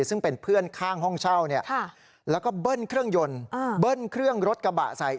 ซึ่งเป็นเพื่อนข้างห้องเช่าแล้วก็เบิ้ลเครื่องยนต์เบิ้ลเครื่องรถกระบะใส่